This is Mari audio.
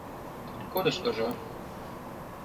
Кудышкыжо?